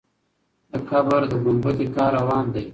د قبر د ګمبد کار روان دی.